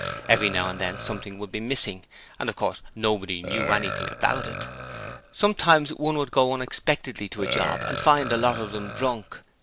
Every now and then something would be missing, and of course Nobody knew anything about it. Sometimes one would go unexpectedly to a 'job' and find a lot of them drunk.